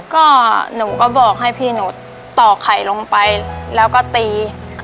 ก็หนูก็บอกให้พี่หนูต่อไข่ลงไปแล้วก็ตี